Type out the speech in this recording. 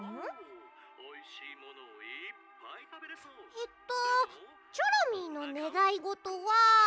えっとチョロミーのねがいごとは。